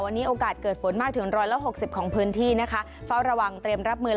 วันนี้โอกาสเกิดฝนมากถึงร้อยละหกสิบของพื้นที่นะคะเฝ้าระวังเตรียมรับมือ